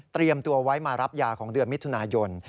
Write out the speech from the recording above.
ตัวไว้มารับยาของเดือนมิถุนายน